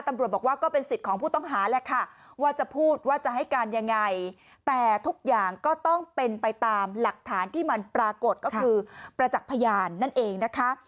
ตำรวจบอกว่าก็เป็นสิทธิ์ของผู้ต้องหาแหละค่ะว่าจะพูดว่าจะให้การยังไงแต่ทุกอย่างก็ต้องเป็นไปตามหลักฐานที่มันปรากฏก็คือประจักษ์พยานนั่นเองนะคะ